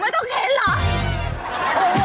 ไม่ต้องเข็นเหรอ